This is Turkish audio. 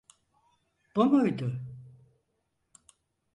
Bu muydu?